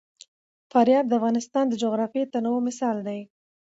فاریاب د افغانستان د جغرافیوي تنوع مثال دی.